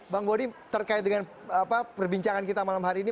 bang bodi terkait dengan perbincangan kita malam hari ini